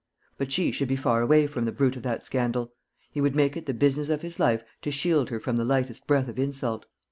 But she should be far away from the bruit of that scandal. He would make it the business of his life to shield her from the lightest breath of insult.